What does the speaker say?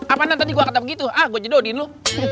apaanan tadi gue kata begitu ah gue jedodin lu